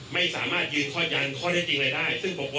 ไม่สามารถยืนข้อยันข้อเรียกจริงอะไรได้ซึ่งปกประ